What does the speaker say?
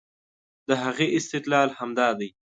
د هغې استدلال همدا دی